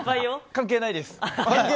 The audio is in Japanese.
関係ないです。